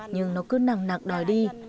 nhưng nó cứ nằng nạc đòi đi